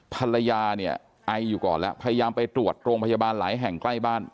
ภรรยาเนี่ยไออยู่ก่อนแล้วพยายามไปตรวจโรงพยาบาลหลายแห่งใกล้บ้าน